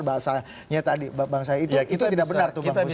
bahasanya tadi bahan saya itu tidak benar tuh bang hussein